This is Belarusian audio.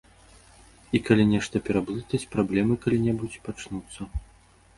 І калі нешта пераблытаць, праблемы калі-небудзь пачнуцца.